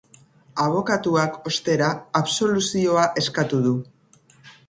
Abokatuak, ostera, absoluzioa eskatu du.